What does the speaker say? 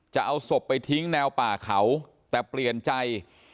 จะเอาศพไปทิ้งแนวป่าเขาแต่เปลี่ยนใจ